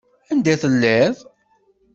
Anda i telliḍ?